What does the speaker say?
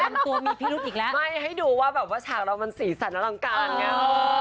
ร่วมตัวมีพิธรุฑอีกแล้ว่ะไม่ให้ดูว่าชาติเรามันสีสันอลังการไง